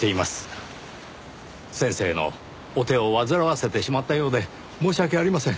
先生のお手をわずらわせてしまったようで申し訳ありません。